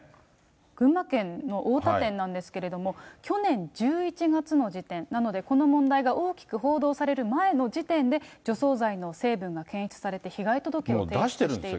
群馬県の太田店なんですけれども、去年１１月の時点、なので、この問題が大きく報道される前の時点で、除草剤の成分が検出されて、被害届を提出していたと。